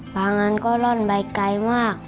บางอันก็ร่อนใบไกลมาก